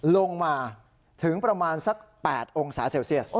ลงมาถึงประมาณสัก๘องศาเซลเซียส